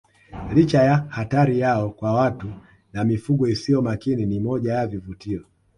Licha ya hatari yao kwa watu na mifugo isiyo makini ni moja ya vivutio